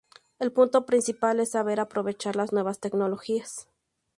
El punto principal es saber aprovechar las nuevas tecnologías.